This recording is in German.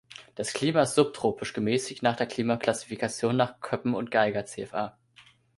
Das Klima ist subtropisch gemäßigt nach der Klimaklassifikation nach Köppen und Geiger "Cfa".